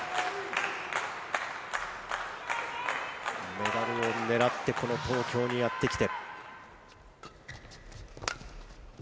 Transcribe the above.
メダルを狙って、この東京にやってきて。